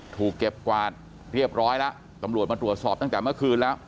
ถูกเก็บกวาดเรียบร้อยแล้วตำรวจมาตรวจสอบตั้งแต่เมื่อคืนแล้ว